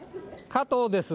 加藤です。